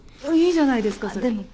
いいじゃないですかそれ。